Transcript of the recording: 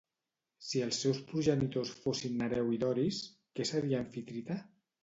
Si els seus progenitors fossin Nereu i Doris, què seria Amfitrite?